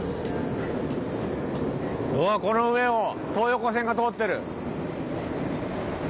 おおこの上を東横線が通ってる。